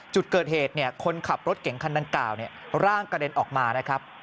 จุดเกิดเหตุคนขับรถเก่งคันดังกล่าวร่างกระเด็นออกมานะครับ